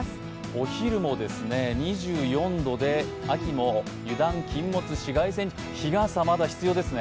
お昼も２４度で、秋も油断禁物、紫外線、日傘はまだ必要ですね。